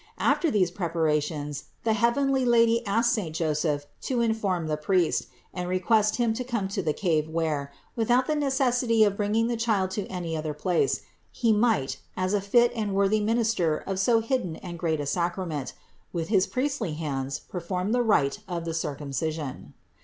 After these preparations the heavenly Lady asked saint Joseph to inform the priest and request him to come to the cave where, without the necessity of bringing the Child to any other place, he might, as a fit and worthy minister of so hidden and great a sacrament, with his priestly hands perform the rite of the Circumcision.